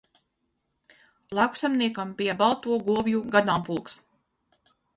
Lauksaimniekam bija balto govju ganāmpulks